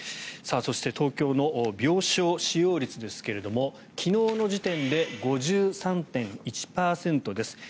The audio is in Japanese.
そして東京の病床使用率ですけども昨日の時点で５３．１％です。